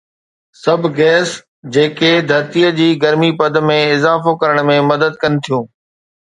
سڀ گيس جيڪي ڌرتيء جي گرمي پد ۾ اضافو ڪرڻ ۾ مدد ڪن ٿيون